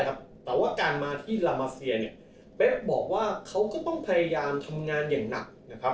แต่ว่าการมาที่ลามาเซียเบ๊บบอกว่าเขาก็ต้องพยายามทำงานอย่างหนัก